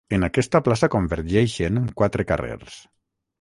En aquesta plaça convergeixen quatre carrers.